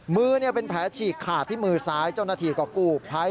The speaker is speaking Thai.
มือเป็นแผลฉีกขาดที่มือซ้ายเจ้าหน้าที่กับกู้ภัย